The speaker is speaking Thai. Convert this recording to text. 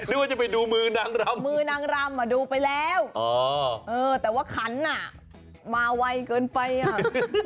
นึกว่าจะไปดูมือนางรำมือนางรำอ่ะดูไปแล้วแต่ว่าขันอ่ะมาไวเกินไปอ่ะ